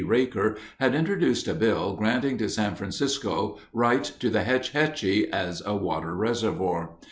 Raker had introduced a bill granting to San Francisco rights to the Hetch Hetchy as a water reservoir.